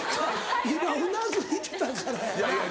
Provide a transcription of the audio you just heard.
今うなずいてたからやな。